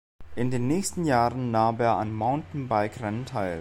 In den nächsten Jahren nahm er an Mountainbikerennen teil.